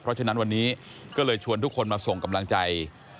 เพราะฉะนั้นวันนี้ก็เลยชวนทุกคนมาส่งกำลังใจ